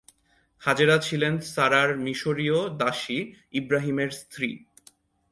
হাজেরা ছিলেন সারাহ-র মিশরীয় দাসী, ইব্রাহিমের স্ত্রী।